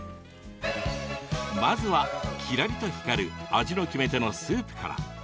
まずは、キラリと光る味の決め手のスープから。